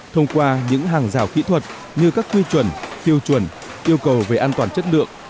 thông qua những hàng rào kỹ thuật như các quy chuẩn tiêu chuẩn yêu cầu về an toàn chất lượng